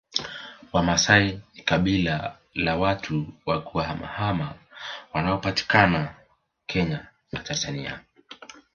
Wamasai ni kabila la watu wa kuhamahama wanaopatikana Kenya na Tanzania